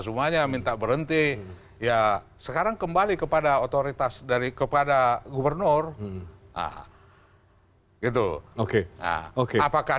semuanya minta berhenti ya sekarang kembali kepada otoritas dari kepada gubernur gitu oke nah oke apakah